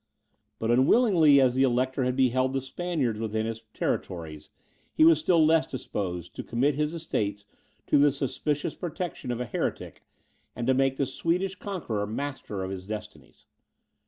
But unwillingly as the Elector had beheld the Spaniards within his territories, he was still less disposed to commit his estates to the suspicious protection of a heretic, and to make the Swedish conqueror master of his destinies.